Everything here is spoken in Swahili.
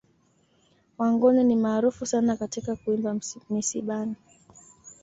Wangoni ni maarufu sana katika kuimba misibani